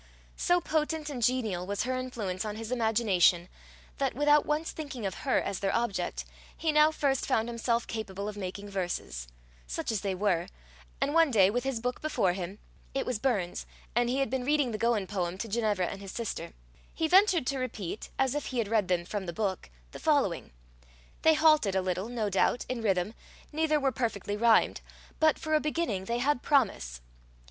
So potent and genial was her influence on his imagination, that, without once thinking of her as their object, he now first found himself capable of making verses such as they were; and one day, with his book before him it was Burns, and he had been reading the Gowan poem to Ginevra and his sister he ventured to repeat, as if he read them from the book, the following: they halted a little, no doubt, in rhythm, neither were perfectly rimed, but for a beginning, they had promise.